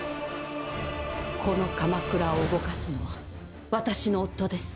この鎌倉を動かすのは私の夫です。